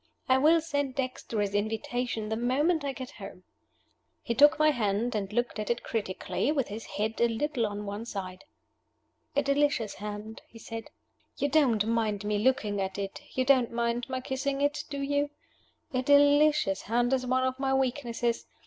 I will send Dexter his invitation the moment I get home." He took my hand and looked at it critically, with his head a little on one side. "A delicious hand," he said; "you don't mind my looking at it you don't mind my kissing it, do you? A delicious hand is one of my weaknesses.